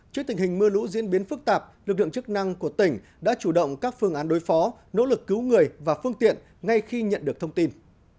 trước tình hình mưa lũ diễn biến phức tạp lực lượng chức năng của tỉnh đã chủ động các phương án đối phó nỗ lực cứu người và phương tiện ngay khi nhận được thông tin